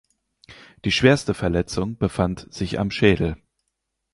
Die schwerste Verletzung befand sich am Schädel.